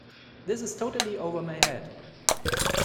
This is totally over my head.